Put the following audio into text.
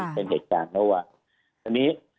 เป็นเหตุการณ์ไว้